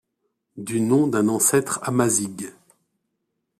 Du nom d'un ancêtre Amazigh.